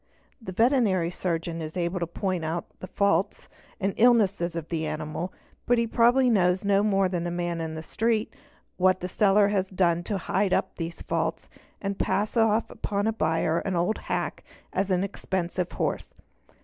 The Veterinary Surgeon is able to point out the faults and illnesses — of an animal, but he probably knows no more than the man in the street what the seller has done to hide up these faults and pass off upon a buyer an old hack as an expensive horse.